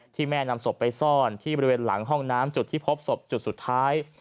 แม่นำศพไปซ่อนที่บริเวณหลังห้องน้ำจุดที่พบศพจุดสุดท้าย